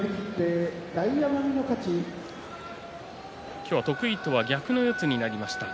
今日は得意とは逆の四つになりました。